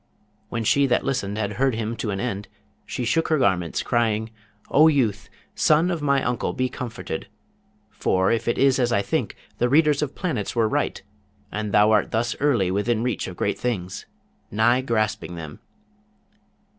When she that listened had heard him to an end, she shook her garments, crying, 'O youth, son of my uncle, be comforted! for, if it is as I think, the readers of planets were right, and thou art thus early within reach of great things nigh grasping them.'